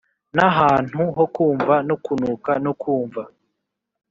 nahantu ho kumva no kunuka no kumva.